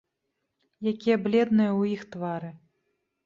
Якія бледныя ў іх твары.